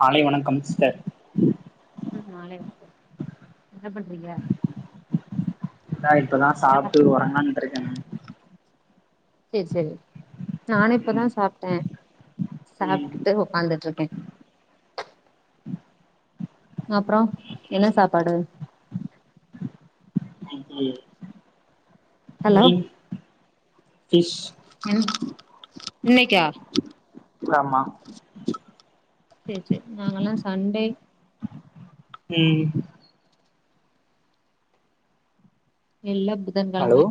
பாலைவன கம்ஸ்ட ம் மாலை வணக்கம் என்ன பண்றீங்க தா இப்பதா ஆ சாப்ட்டு ஒறங்கலான்ட்ருக்கேங்க சேர் செரி நானு இப்பதா சாப்ட்டே ம் ம் சாப்டுட்டு ஒக்காந்துட்ருக்கே அப்றொ என்ன சாப்பாடு [inaudible] ஹலோ மீன் ஃபிஷ் என் இன்னைக்கா? ஆமா சேர் சேர் நாங்கலா சண்டே ம் இல்ல ஹலோ புதன்கெழம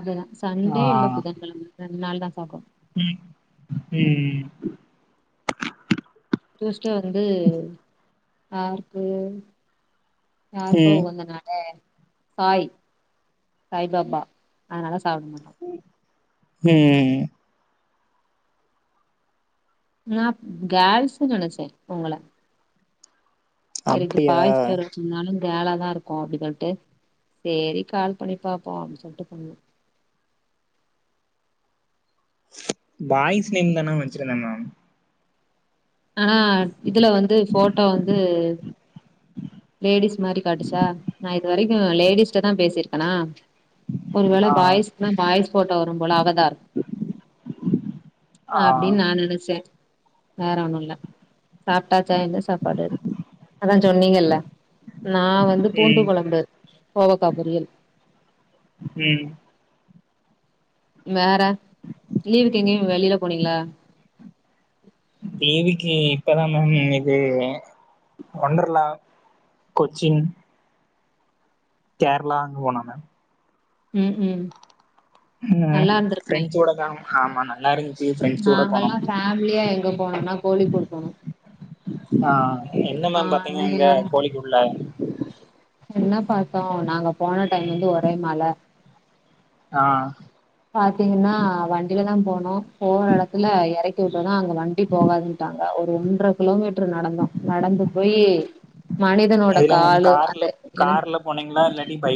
அவ்ளதா சண்டே இல்ல ஆ புதன்கெழம ரெண் நாள் தா சாப்டுவோ ம் ம் ட்யூஸ்டே வந்து யாருக்கு யாருக்கோ ம் உகந்த நாள் சாய் சாய்பாபா அதுனால சாப்ட மாட்டோ ம் ம் நா கேல்ஸ்ஸுன்னு நெனைச்சே உங்கள செரின்ட்டு அப்டியா பாய்ஸ் [unintelligible] இருந்தாலு கேலா தா இருக்கு அப்டி சொல்ட்டு செரி கால் பண்ணி பாப்போ அப்டின் சொல்ட்டு பண்ண பாய்ஸ் நேம்தான வெச்சிருந்த மேம் ஆ இதுல வந்து போட்டோ வந்து லேடிஸ் மாரி காட்டுச்சா நா இது வரைக்கு லேடிஸிட்ட தா பேசியிருக்கனா ஒருவேள ஆ பாய்ஸ்க்குனா பாய்ஸ் போட்ட வரும் போல அவதார் ஆ அப்டின்னு நா நெனச்சே வேற ஒன்னுல்ல சாப்ட்டாச்சா என்ன சாப்பாடு அதா சொன்னீங்கல்ல நா பூண்டு ம் கொழம்பு கோவக்கா பொரியல் ம் வேற லீவுக்கு எங்கயு வெளில போனீங்ளா லீவுக்கு இப்பதா மேம் இது ஒன்டர்லா கொச்சின் கேர்ளா அங்கபோனோமேம் ம் ம் ம் நல்லா இருந்திருக்குமே ஃப்ரெண்ஸ் ஓட தா ஆமா நல்லா இருந்து நாங்கல்லா ஃபேமிலியா எங்க போனோனா கோழிக்கோடு போனோ ஆ என்ன ஆ மேம் பாத்தீங்க அங்க கோழிக்கோட்ல என்ன பாத்தோ நாங்க போன டைம் வந்து ஒரே மழ ஆ பாத்தீங்கன்னா வண்டில தா போனோ போற எடத்துல எறக்கி வுட்டோனே அங்க வண்டி போகாதுன்டாங்க ஒரு ஒன்ற கிலோமீட்டர் நடந்தோ நடந்து போயி மனிதனோட எதுல மேம் காளு அந்த என்ன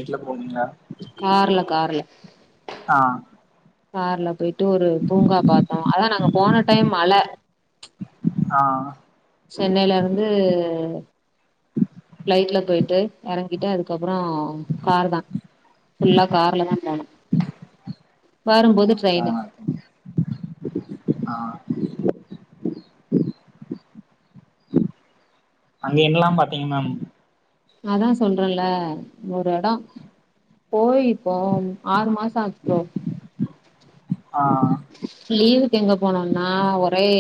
எதுல போனீங்க கார்ல கார்ல ஆ கார்ல போயிட்டு ஒரு பூங்கா பாத்தோ ஆனா நாங்க போன டைம் மழ ஆ சென்னைல இருந்து பிளைட்ல போயிட்டு எறங்கிட்டு அதுக்கப்பறோ கார்தா ஃபுல்லா கார்ல தா போனோ வாரும்போது ஆ ட்ரெய்னு ஆ அங்க என்னல்லா பாத்தீங்க மேம் அதா சொல்றல்ல ஒரு எடோ போயிப்போ ஆறு மாசோ ஆச்சு ப்ரோ ஆ லீவுக்கு எங்க போனோன்னா ஒரே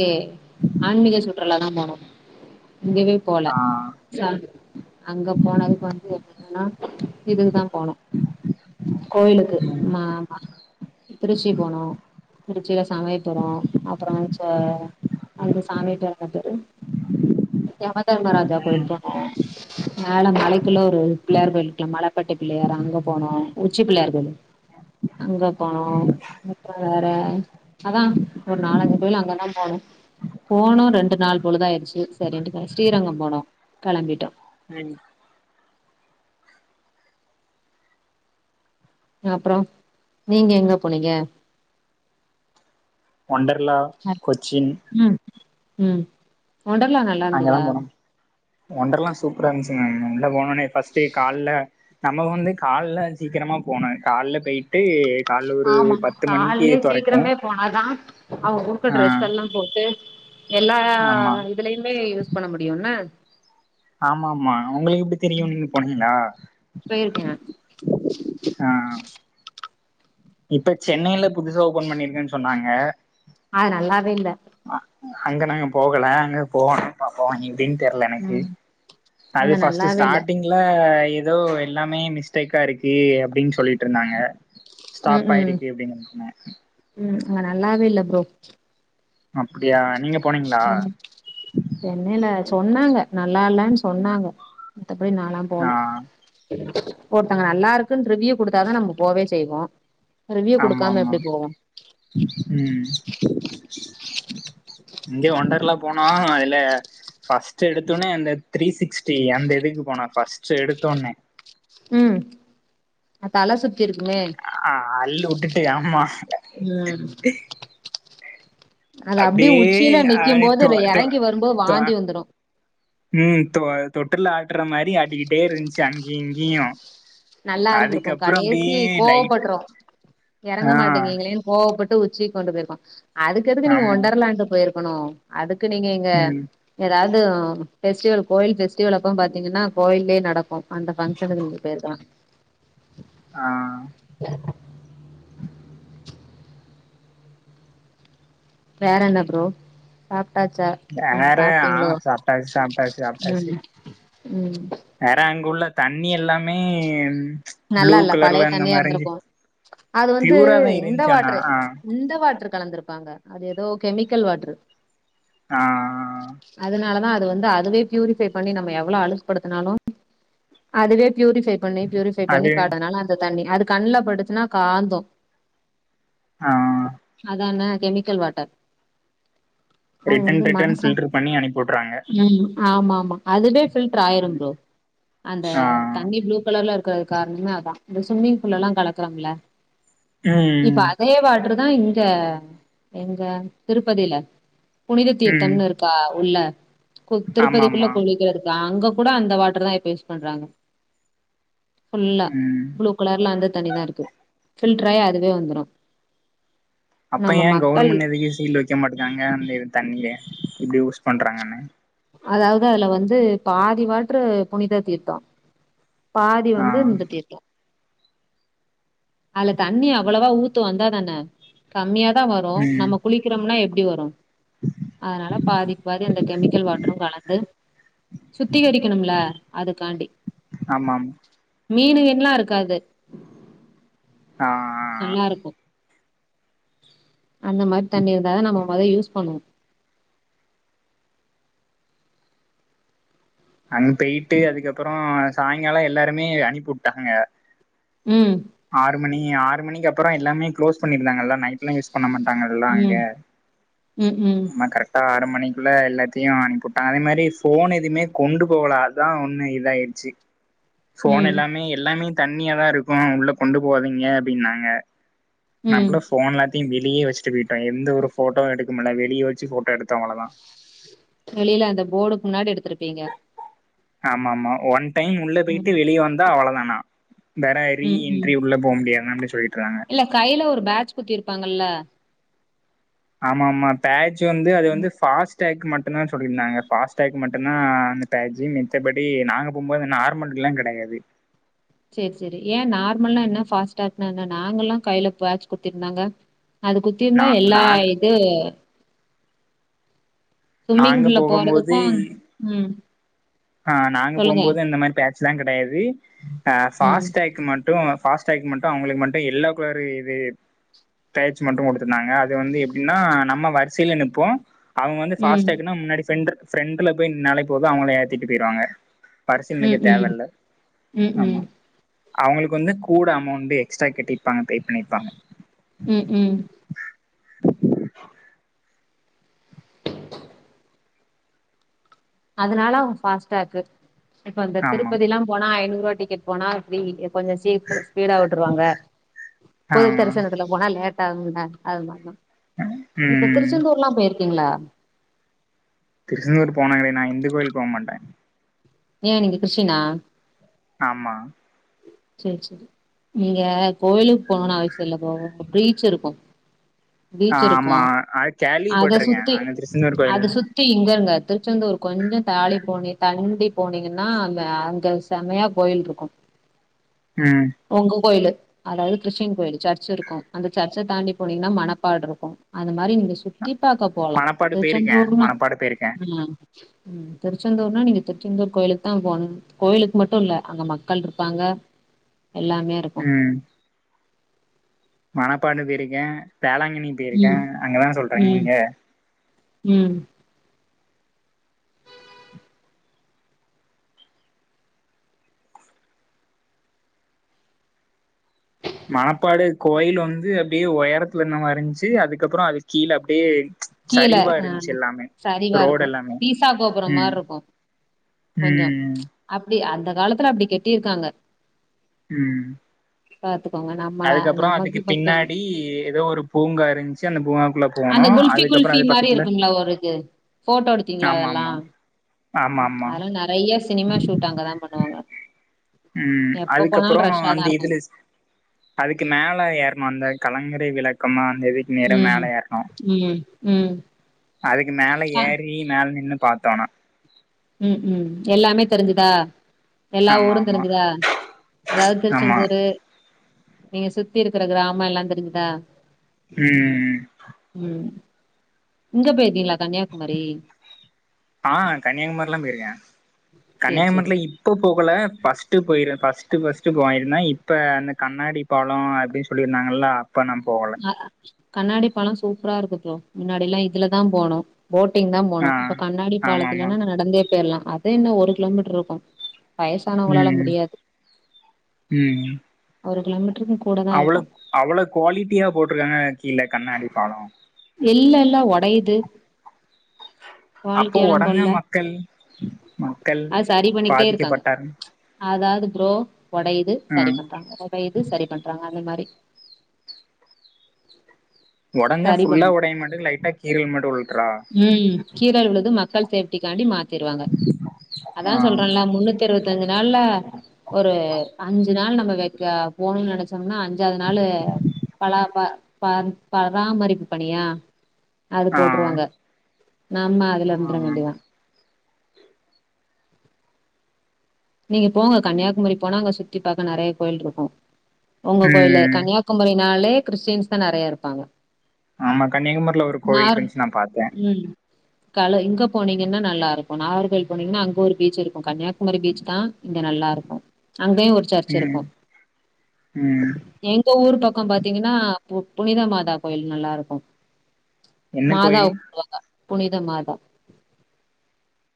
ஆன்மீக சுற்றுல தா போனோ இங்கவே போல ஆ ச அங்க போனதுக்கு வந்து என்னென்னன்னா இதுக்குதா போனோ கோயிலுக்கு ம் மாமா திருச்சி போனோ திருச்சியில சமையபுரோ அப்புறோ ச்ச அந்ந சாமி பேரு வந்து எமதர்மராஜா கோயில் ம் போனோ மேல மலைக்குள்ள ஒரு பிள்ளையார் கோயில்லுக்குள்ள மலைப்பட்டி பிள்ளையாரா அங்க போனோ உச்சி பிள்ளையார் கோயிலு அங்க போனோ [unintelligible] வேற அதா ஒரு நாலஞ்சு கோயிலு அங்கதா போனோ போனோ ரெண்டு நாள் பொழுதாயிருச்சு சரின்னுட்டு ஸ்ரீரங்கம் போனோ கெளம்பிட்டோ அ அப்புறோ நீங்க எங்க போனீங்க ஒண்டர்லா கொச்சின் ம் ம் ஒண்டர்லா நல் அங்கதா போனோ ஒண்டர்லா சூப்பரா இருந்துச்சுங்க உள்ள போனோனே ஃபஸ்ட்டு கால்ல நம்ம வந்து கால்ல சீக்கிரமா போனு கால்ல பேயிட்டு ஆமா கால்லே சீக்கிரமே போனாதா அவுங்க குடுக்குற ஆ ட்ரெஸ் எல்லா போட்டு எல்லா ஆமா இதுலயுமே யூஸ் பண்ண முடியுன்ன ஆமாமா ஒங்களுக்கு எப்டி தெரியு நீங்க போனிங்களா போயிருக்கே ஆ இப்ப சென்னையில புதுசா ஓபன் பண்ணிருக்கன் சொன்னாங்க அது நல்லாவே இல்ல அ அங்க நாங்க போகல அங்க போவணு பாப்போ இ டின் தெர்ல எனக்கு ம் அது அங்க ஃபஸ்ட்டு நல்லாவே இல்ல ஸ்டாட்டிங் ல ஏதோ எல்லாமே மிஸ்டேக்கா இருக்கு அப்படின் சொல்லிட்டுருந்தாங்க ம் ஸ்டாப் ம் ஆயிடுச்சு அப்படின்னு நெனக்கினே ம் அங்க நல்லாவே இல்ல ப்ரோ அப்டியா ஆமா சென்னைல சொன்னாங்க நல்லா இல்லன் சொன்னாங்க மித்தபடி நாலா ஆ, போல ஒருத்தங்க நல்லா இருக்குன் ரிவ்யூ குடுத்தாதா நம்ம போவே செய்வோ ரிவ்யூ குடுக்காம ஆமாமா எப்டி போவோ ம் இங்க ஒண்டர்லா போனோ அதுல ஃபஸ்ட் எடுத்தவொனே அந்த த்ரீ சிக்ஸ்டி அந்த இதுக்கு போனோ ஃபஸ்ட் எடுத்தவொனே ம் அ தல சுத்திருக்குமே அ ஆ அல்லு வுட்டுட்டு ஆமா ம் அது அப்டியே உச்சியில நிக்கும் போது எறங்கி வரும்போது வாந்தி [unintelligible] வந்துரு ம் தொ அ தொட்டில்ல ஆட்டுற மாரி ஆட்டிக்கிட்டே இருந்ச்சு அங்கயு இங்கயு நல்லா இருந்திருக்கு அதுக்கப்புறோ கடேசி அப்டியே லைட் கோவப்பட்ரோ எறங்க ஆ மாட்டுகேங்களேன்னு கோவப்பட்டு உச்சிக்கொண்டு போயிருக்கு அதுக்கெதுக்கு நீங்க ஆமா ஒண்டர் லாண்டு போயிருக்கணு அதுக்கு நீங்க இங்க ம் ஏதாது ஃபெஸ்டிவெல் கோயில் ஃபெஸ்டிவல் அப்ப பாத்தீங்கன்னா கோயில்லயே நடக்கு அந்த ஃபங்க்ஷனுக்கு நீங்க பேயிருக்கலா ஆ வேற என்ன ப்ரோ சாப்ட்டாச்சா ஆமா வேற ஆ சாப்ட்டீங்களோ சாப்ட்டாச் சாப்ட்டாச்சு சாப்ட்டாச்சு ம் ம் வேற அங்க உள்ள தண்ணி எல்லாமே நல்லா ப்ளூ இல்ல பழைய கலர்ல இந்த தண்ணியா மாரிஞ்சி இருந்திருக்கு அது வந்து இந்த வாட்ரு ஆ இந்த வாட்ருக் கலந்திருப்பாங்க அது எதோ கெமிக்கல் வாட்ரு ஆ அதனாலதா அது வந்து அதுவே ப்யூரிஃபை பண்ணி நம்ம எவ்வள அழுக்குபடுத்துனாலு அதுவே ப்யூரிஃபை பண்ணி ப்யூரி ஃபை பண்ணி அது காட்டதுனால அந்த தண்ணி அது கண்ணுல பட்டுச்சுன்னா காந்தோ ஆ அதான கெமிக்கல் வாட்டர் அது ரிட்டன் வந்து ரிட்டன் மனசா ஃபில்ட்ரு பண்ணி அனுப் ம் ஆமா ஆமா அதுவே ஃபில்ட்ரு ஆயிரும் ப்ரோ அந்த ஆ தண்ணி ப்ளூ கலர்ல இருக் காரணமே அதா இந்த ஸ்விம்மிங் ஃபூல்ல எல்லா கலக்குறாங்கள ம் இப்ப அ தே வாட்ரு தா இங்க எங்க திருப்பதில புனித ம் தீர்த்தம்னு இருக் க்கா உள்ள ஆமா திருப்பதிக்குள்ள ஆமா குளிக்கிறதுக்கு அங்க கூட அந்த வாட்ரு தா இப்ப யூஸ் பண்றாங்க ஃபுல்லா ம் ப்ளூ கலர்ல அந்த தண்ணி தா இருக்கு ஃபில்ட்ரு ஆயி அதுவே வந்துரு அப்ப நம்ம ஏன் மக்கள் கவுர்மெண்ட் எதுக்கு சீல் வைக்க மாட்டேக்காங்க அந்த இது தண்ணியில இப்டி யூஸ் பண்றாங்கன்னு அதாவ்து அதுல வந்து பாதி வாட்ரு புனித தீர்த்தொ பாதி ஆ வந்து இந்த தீர்த்தொ அல தண்ணி அவ்வளவா ஊத்து வந்தாதான கம்மியா தா வரு ம் நம்ம குளிக்கிறம்னா எப்டி வரு அதனால பாதி பாதி அந்தகெ க்கலவாட்ரூ கலந்து சுத்திகரிக்கணும்ல அதுக்காண்டி ஆமா ஆமா மீனுகீன்ல்லா இருக்காது ஆ ஆ நல்லாருக்கூ அந்த மாரி தண்ணி இருந்தாதா நம்ம மொத யூஸ் பண்ணுவோ அங்க பேய்ட்டு அதுக்கப்பறொ சாய்ங்காலொ எல்லாருமே அனுப்பிவுட்டாங்க ம் ஆறு மணி ஆறு மணிக்கி அப்பறொ எல்லாமே க்ளோஸ் பண்ணிருந்தாங்கல்லா நைட்ல்லா யூஸ் பண்ண மாட்டாங் டாங்கல்ல அங்க ம் ம் ம் கரெட் டா ஆறு மணிக்குள்ள எல்லாத்தையு அனுப்பிவுட்டாங்க அதே மாரி ஃபோன் எதுமே கொண்டு போகல அதா ஒண்ணு இதாயிருச்சு ஃபோன் ம் எல்லாமே எல்லாமே தண்ணியா தா இருக்கூ உள்ள கொண்டு போவாதீங்க அப்டின்னாங்க ம் நம்ப்ளு ஃபோன் எல்லத்தையு வெளியே வச்சுட்டு போயிட் ட எந்த ஒரு ஃபோட்டோவு எடுக்கமுல்ல வெளிய வச்சு ஃபோட்டோ எடுத்தோ அவ்வளதா வெளியில அந்த போடுக்கு முன்னாடி எடுத்திருப்பீங்க ஆமா ஆமா ஒன் டைம் உள்ள போயிட்டு ம் வெளியே வந்தா அவ்ளதானா வேற ரீ ம் என்ட்ரி உள்ள போக முடியாது அப்டினு சொல்லிட்ருந்தாங்க கையில ஒரு பேட்ச் குத்திருப்பாங்கல்ல ஆமா ஆமா பேஜ் வந்து அது வந்து ஃபாஸ் ஸ்டாக் மட்டு தா சொல்லியிருந்தாங்க பாஸ்டேக் மட்டுந்தா அந்த பேஜி மித்தபடி நாங்க போம்போது நார்மல்க்லா கடையாது சேரி சேரி ஏன நார்மல்னா என்ன ஃபாஸ்ட்டாகுனா என்ன நாங்கல்லா கையில பேச் குத்திருந்தாங்க அது குத்தி இருந்தா நா எல்லா நா இது ஸ்விம்மிங் நாங்க பூல்ல போகும்போது போறதுக்கு ம் ஆ நாங்க சொல்லுங்க போம்போது இந்த மாரி டேக்ஸ்லா கெடையாது அ ம் ஸாஸ் டேக் மட்டு பாஸ் டேக்கு மட்டு அவங்களுக்கு மட்டு எல்லோ கலரு இது தயிற்சி மட்டு குடுத்துட்டாங்க அது வந்து எப்டின்னா நம்ம வரிசில நிப்போ அவங்க வந்து பாஸ் ம் டேக்னா முன்னாடி ஃப்ரென்ட் ஃப்ரென்ட்ல போய் நின்னால போது அவங்களே ஏத்திட்டு போய்ருவாங்க வரிசில நிக்க ம் ம் தேவேல்ல ம் ஆமா ம் அவங்களுக்கு வந்து கூட அமௌண்ட் எக்ஸ்ட்ரா கட்டிருப்பாங்க பே பண்ணியிருப்பாங்க ம் ம் அதனால அவங்க பாஸ்டாக்கு இப்ப இந்த ஆமா திருப்பதுல்லா போனா ஐநூறுவா டிக்கெட் போனா ஃப்ரீ கொஞ்சொ [unintelligible] ஸ்பீடா வுட்டுருவாங்க ஆ பொது தரிசனத்துல போனா லேட் ஆகுங்க அது மார்தா இப்ப ம் திருச்செந்தூர்லா போயிருக்கீங்ளா திருச்செந்தூர் போனாங்களே நா இந்த கோவில் போ மாட்டே ஏ நீங்க கிறிஸ்டீனா ஆமா சரி சரி நீங்க கோவிலுக் போனுனு அவசிய இல்ல ப்ரோ பீச் இருக்கு பீச் இருக்கு ஆமா அது அத கேள்விப்பட்டிருக்கே சுத்தி அங்க திருச்செந்தூர் கோயில் அத சுத் தி இங்கங்க திருச்செந்தூர் கொஞ்சொ தாலி போனிய தண்டி போனீங்கன்னா அங்க அங்க செம்மையா கோயில் ருக்கு ம் ஒங்க கோயிலு அதாவ்து கிறிஸ்டின் கோயில் சர்ச் இருக்கும் அந்த சர்ச்ச தாண்டி போனீங்கன்னா மணப்பாடு இருக்கு அது மாரி நீங்க சுத் தி பாக்க போலா மணப்பாடு போயிருக்கே திருச்செந்தூர்னா மணப்பாடு போயிருக்கே ம் ம் திருச்செந்தூர்னா நீங்க திருச்செந்தூர் கோயிலுக்கு தா போனுன் கோயிலுக்கு மட்டு இல்ல அங்க மக்கள் இரு ப்பாங்க எல்லாமே இருக்கு ம் மணப்பாடு போயிருக்கே வேளாங்கண்ணி போய்ருக்கே ம் அங்கதான சொல்றங்க ம் நீங்க ம் மணப்பாடு கோயில் வந்து அப்டியே ஒயரத்துல இருந்த மா இருந்ச்சு அதுக்கப்புறோ அது கீழே அப்டியே கீழ சரிவா ஆ இருந்ச்சு எல்லாமே சரிவா ரோடு இருக்கு எல்லாமே பீசா கோபுரம் ம் மாரி இருக்கு ம் கொஞ்சோ ம் அப்டி அந்த காலத்துல அப்டி கெட்டிருக்காங்க ம் பாத்துக்கோங்க நம் அதுக்கப்றோ அதுக்கு பின்னாடி எதோ ஒரு பூங்கா இருந்ச்சு அந்த பூங்காக்குள்ள போனோ அந்த குல்ஃபி அதுக்கப்பறோ குல்ஃபி அது மாரி பக்கத்துல இருக்கும்ல ஒரு இது போட்டோ ஆமாமா ஆமாமா அதுல நெறைய சினிமா ஷூட் அங்கேதா பண்ணுவாங்க ம் எப்ப அதுக்கப்புறோ போனாலு ரஷ்ஷா தா அந்த இருக்கு இதுல அதுக்கு மேல ஏறுனோ அந்த கலங்கரை விளக்கமா அந்த இதுக்கு நேரா மேல ம் ஏறுனோ ம் ம் அதுக்கு மேல ஆ ஏறி மேல நின்னு பாத்தோனா ம் ம் எல்லாமே தெரிஞ்சுதா எல்லா ஆமா ஊரு ஆமா தெரிஞ்சுதா அதாவ்து ஆமா திருச்செந்தூரு நீங்க சுத்தி இருக்குற கிராமோ எல்லா தெரிஞ்சுதா ம் ம் ம் இங்க போயிருக்கீங்கிளா கன்னியாகுமரி ஆ கன்னியாகுமரிலாம போயிருக்கே சேரி சேரி கன்னியாகுமரில இப் போ போகல ஃபஸ்ட்டு போக்கிற ஃபஸ்ட்டு ஃபஸ்ட்டு போயிருந்தன் இப்ப அந்த கண்ணாடி பழம் அப்டி சொல்லிருந்தாங்க இல்ல இப்ப நா போகல ஆ கண்ணாடி பழம் சூப்பரா இருக்கு ப்ரோ மின்னாடி எல்லாம் இதுலதா போனோம் போட்டிங் தா ஆ போனோம் இப்ப கண்ணாடி ஆமா ஆமா பாலத்துலனா நா நடந்தே போயிரலா அதே இன்னும் ஒரு கிலோமீட்டர் இருக்கும் வயசானவங்களால ம் முடியாது ம் ஒரு கிலோமீட்டருக்கு கூட தா அவ்ளோ இருக்கு அவ்ளோ குவாலிட்டியா போட்டுருக்காங்க கீழ கண்ணாடி பாலம் இல்ல இல்ல ஒடையிது அப்போ ஒடனே போடல மக்கள் மக்கள் அது சரி பண்ணிக்கிட்டே இருக்காங்க பாதிக்கப்பட்டாரு அதாவது ப்ரோ ஒடையிது ஆ சரி பண்றாங்க ஒடையிது சரி பண்றாங்க அந்த மாரி ஒடஞ்ச சரி ஃபுல்லா பண்ணு ஒடைய மாட்டுக்கு லைட்டா கீறல் மட்டும் உழுட்டுரா ம் கீரல் விழுது மக்கள் சேப்டிக்காண்டி மாத்திருவாங்க அதா ஆ சொல்றன்ல்ல முன்னூத் தி இருவத்தஞ்சி நாள்ல ஒரு அஞ்சி நாள் நம்ப வெக்க போவுனுன்னு நெனச் சம்னா அஞ்சாவது நாளு பல ப ப ப பராமரிப்பு பனியா அது ஆ போட்டுருவாங்க நம்ம அதுல இருந்துற ஆ வேண்டியதா நீங்க போங்க கன்னியாகுமரி போனா அங்க சுத்தி பாக்க நறையா கோயில் இருக்கும் உங்க கோயில ம் கன்னியா குமரினாலே கிறிஸ்டின்ஸ் தா நறையா இருப்பாங்க ஆமா கன்னியாகுமரில ஒரு கோயில் நார் இருண்ச்சி நா பாத்தே ம் கல இங்க போனீங்கன்னா நல்லா இருக்கும் நார்கல் போனீங்கன்னா அங்க ஒரு பீச்சி இருக்கும் கன்னியாகுமரி பீச் தா இங்க நல்லா இருக்கும் அங்கயும் ஒரு சர்ச்சி ம் இருக்கும் ம் எங்க ஊர் பக்கம் பாத்தீங்கன்னா பு புனித மாதா கோயில் நல்லா இருக்கும் என்ன மாதா கோயில் கும்புடுவாங்க புனித மாதா